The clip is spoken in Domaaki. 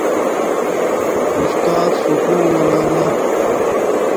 اُستات سکُول لنا نا